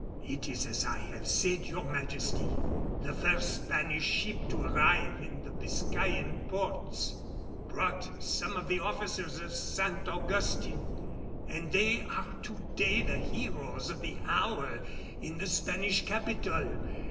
"It is as I have said, your Majesty. The first Spanish ship to arrive in the Biscayan ports brought some of the officers of San Augustin, and they are to day the heroes of the hour in the Spanish capital.